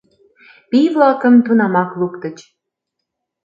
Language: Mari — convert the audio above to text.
Пий-влакым тунамак луктыч.